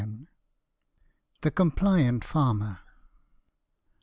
THE COMPLIANT FARMER.